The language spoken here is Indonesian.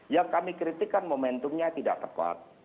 yang kami kritikan momentumnya tidak tepat